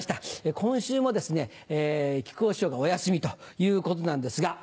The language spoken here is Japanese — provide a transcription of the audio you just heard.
今週も木久扇師匠がお休みということなんですが。